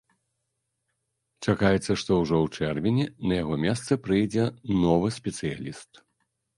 Чакаецца, што ўжо ў чэрвені на яго месцы прыйдзе новы спецыяліст.